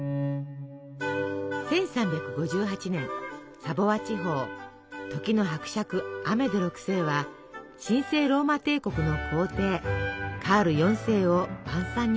１３５８年サヴォワ地方時の伯爵アメデ６世は神聖ローマ帝国の皇帝カール４世を晩餐に招きます。